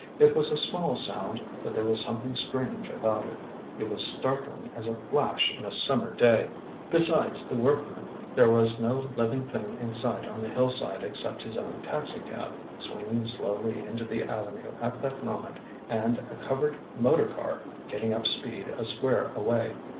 It was a small sound, but there was something strange about it. It was startling as a flash in a summer sky. Besides the workmen, there was no living thing in sight on the hillside except his own taxicab, swinging slowly into the avenue at that moment, and a covered motor car getting up speed a square away.